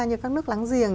như các nước lắng giềng